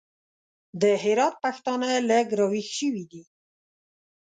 د هرات پښتانه لږ راوېښ سوي دي.